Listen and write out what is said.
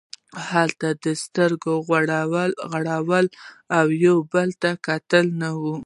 هلته د سترګو غړول او یو بل ته کتل نه وو.